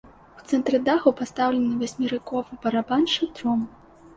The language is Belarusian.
У цэнтры даху пастаўлены васьмерыковы барабан з шатром.